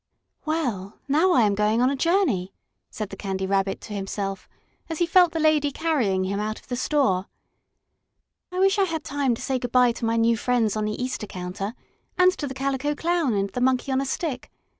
"Well, now I am going on a journey," said the Candy Rabbit to himself, as he felt the lady carrying him out of the store. "I wish I had time to say good bye to my new friends on the Easter counter, and to the Calico Clown and the Monkey on a Stick.